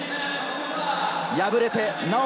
敗れてなお